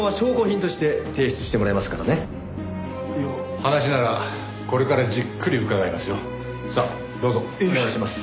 話ならこれからじっくり伺いますよ。